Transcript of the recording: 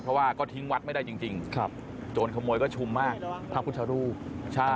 เพราะว่าก็ทิ้งวัดไม่ได้จริงครับโจรขโมยก็ชุมมากพระพุทธรูปใช่